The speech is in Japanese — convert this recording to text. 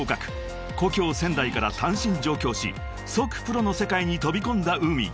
［故郷仙台から単身上京し即プロの世界に飛び込んだＵＭＩ］